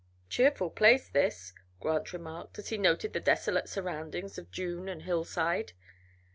"Cheerful place, this," Grant remarked, as he noted the desolate surroundings of dune and hillside.